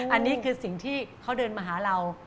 อันนี้คือสิ่งที่เขาเดินมาหาเรา